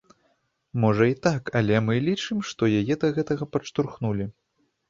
Можа і так, але мы лічым, што яе да гэтага падштурхнулі.